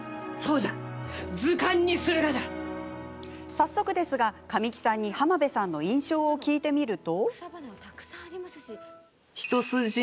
早速ですが、神木さんに浜辺さんの印象を聞いてみると。